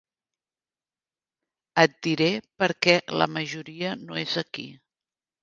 Et diré per què la majoria no és aquí.